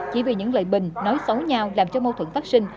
chỉ vì những lợi bình nói xấu nhau làm cho mâu thuẫn phát sinh